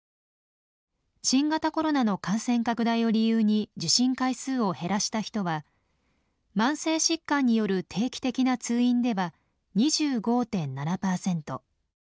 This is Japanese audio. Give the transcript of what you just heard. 新型コロナの感染拡大を理由に受診回数を減らした人は慢性疾患による定期的な通院では２５．７％。